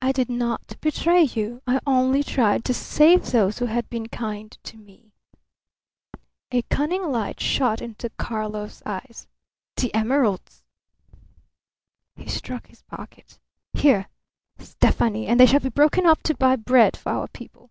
"I did not betray you. I only tried to save those who had been kind to me." A cunning light shot into Karlov's eyes. "The emeralds!" He struck his pocket. "Here, Stefani; and they shall be broken up to buy bread for our people."